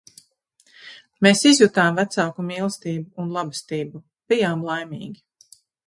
Mēs izjutām vecāku mīlestību un labestību, bijām laimīgi.